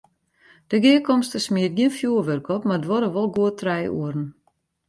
De gearkomste smiet gjin fjoerwurk op, mar duorre wol goed trije oeren.